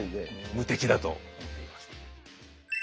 無敵だと思っています。